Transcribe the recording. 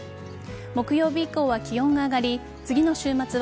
木曜日以降は気温が上がり次の週末は